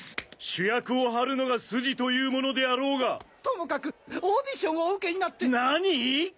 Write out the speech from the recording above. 主役をはるのが筋というものであろうが！とともかくオーディションをお受けになってなにぃ！